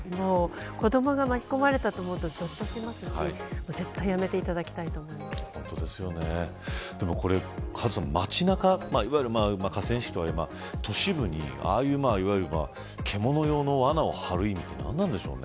子どもが巻き込まれたらと思うとぞっとしますし絶対やめていただきたいカズさん、街中河川敷とはいえ都市部に獣用のわなを張る意味ってなんなんでしょうね。